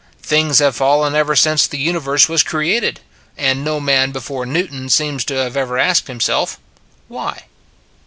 Things have fallen ever since the universe was created. And no man before Newton seems ever to have asked himself, Why?